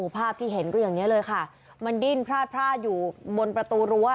ภาพที่เห็นก็อย่างนี้เลยค่ะมันดิ้นพลาดพลาดอยู่บนประตูรั้ว